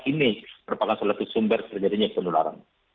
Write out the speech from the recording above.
ini merupakan seluruh sumber terjadinya penularan